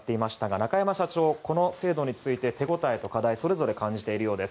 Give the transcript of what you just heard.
中山社長、この制度について手応えと課題それぞれ感じているようです。